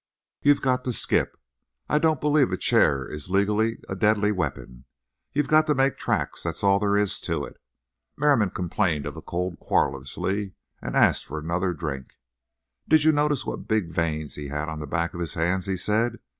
You've got to skip. I don't believe a chair is legally a deadly weapon. You've got to make tracks, that's all there is to it." Merriam complained of the cold querulously, and asked for another drink. "Did you notice what big veins he had on the back of his hands?" he said.